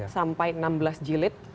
sampai enam belas jilid